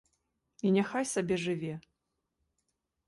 І няхай сабе жыве.